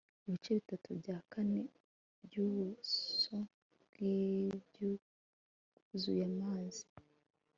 ibice bitatu bya kane byubuso bwisi byuzuye amazi